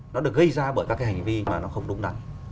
nó được gây ra bởi các cái hành vi mà nó không đúng đắn